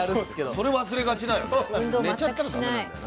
それ忘れがちだよね。